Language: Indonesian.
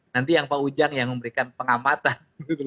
nanti yang pak ujang yang memberikan pengamatan